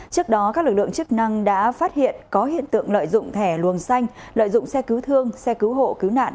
trước đó các lực lượng chức năng đã phát hiện có hiện tượng lợi dụng thẻ luồng xanh lợi dụng xe cứu thương xe cứu hộ cứu nạn